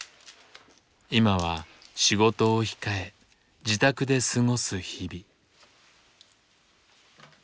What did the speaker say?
今は仕事を控え自宅で過ごす日々。